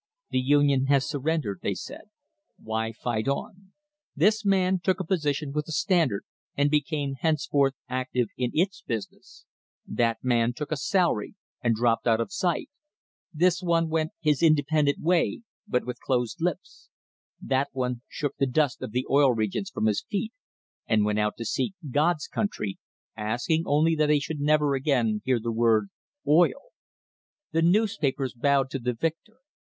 "The Union has surrendered," they said; "why fight on?" This man took a position with the Standard and became henceforth active in its business ; that man took a salary and dropped out of sight; this one went his independent way, but with closed lips; that one shook the dust of the Oil Regions from his feet and went out to seek "God's country," asking only that he should never again hear the word "oil." The newspapers bowed to the victor.